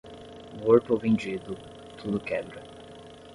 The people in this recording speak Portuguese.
Morto ou vendido, tudo quebra.